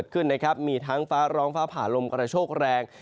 และกล่องฟ้าหลงกระโชคแรง